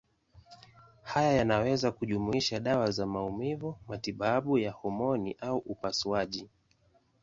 Haya yanaweza kujumuisha dawa za maumivu, matibabu ya homoni au upasuaji.